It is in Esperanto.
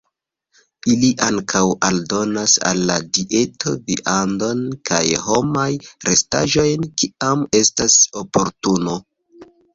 Ili ankaŭ aldonas al la dieto viandon kaj homaj restaĵojn kiam estas oportuno.